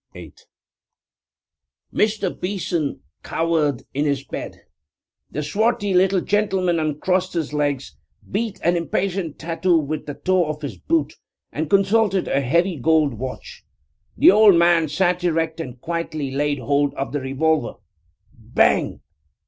< 8 > Mr. Beeson cowered in his bed. The swarthy little gentleman uncrossed his legs, beat an impatient tattoo with the toe of his boot and consulted a heavy gold watch. The old man sat erect and quietly laid hold of the revolver. Bang!